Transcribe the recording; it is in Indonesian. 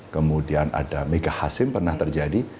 kemudian ada mega hasim pernah terjadi